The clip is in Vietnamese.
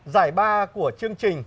giải ba của chương trình